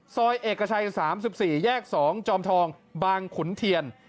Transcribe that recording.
ซอยเอกชัย๓๔แยก๒จอมทองบางขุนเทียน